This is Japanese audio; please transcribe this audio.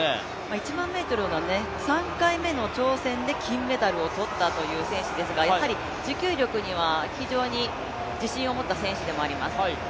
１００００ｍの３回目の挑戦で金メダルを取ったという選手ですがやはり持久力には非常に自信を持った選手でもあります。